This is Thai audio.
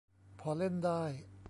พอเล่นได้